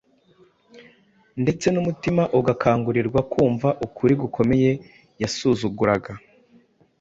ndetse n’umutima ugakangurirwa kumva ukuri gukomeye yasuzuguraga.